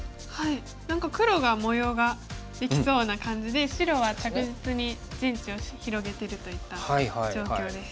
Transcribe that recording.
何か黒が模様ができそうな感じで白は着実に陣地を広げてるといった状況です。